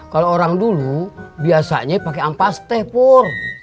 kalau orang dulu biasanya pake ampas teh pur